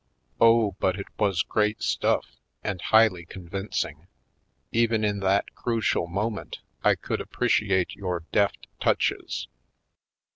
''Oh, but it was great stufif, and highly convincing! Even in that crucial moment I could appreciate your deft touches."